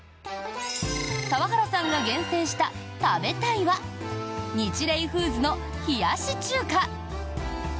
澤原さんが厳選した「食べたい！」はニチレイフーズの冷やし中華。